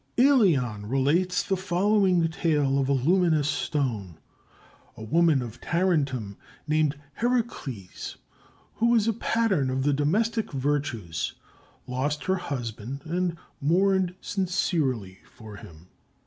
Ælian relates the following tale of a luminous stone. A woman of Tarentum, named Heracleis, who was a pattern of the domestic virtues, lost her husband and mourned sincerely for him.